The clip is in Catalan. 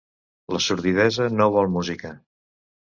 La sordidesa no vol música.